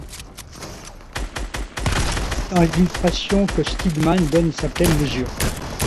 C'est dans l'illustration que Steadman donne sa pleine mesure.